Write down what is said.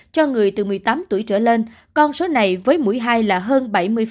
cho người từ một mươi tám tuổi trở lên con số này với mũi hai là hơn bảy mươi